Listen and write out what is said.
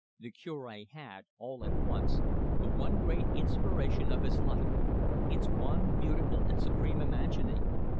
The Cure had, all at once, the one great inspiration of his life its one beautiful and supreme imagining.